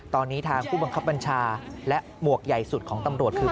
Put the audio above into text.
ตอนนี้ทางผู้บังคับบัญชาและหมวกใหญ่สุดของตำรวจคือ